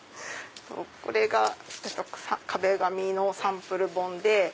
これが壁紙のサンプル本で。